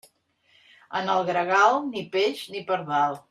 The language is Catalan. En el gregal, ni peix ni pardal.